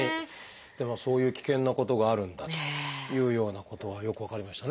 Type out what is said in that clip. でもそういう危険なことがあるんだというようなことがよく分かりましたね。